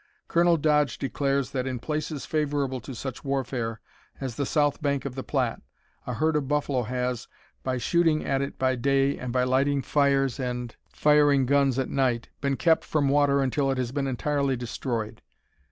Colonel Dodge declares that in places favorable to such warfare, as the south bank of the Platte, a herd of buffalo has, by shooting at it by day and by lighting fires and firing guns at night, been kept from water until it has been entirely destroyed.